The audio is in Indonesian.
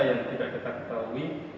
yang tidak kita ketahui